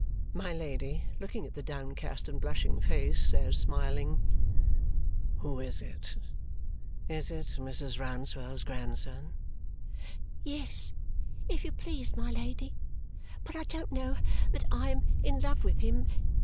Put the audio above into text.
My Lady, looking at the downcast and blushing face, says smiling, "Who is it? Is it Mrs. Rouncewell's grandson?" "Yes, if you please, my Lady. But I don't know that I am in love with him yet."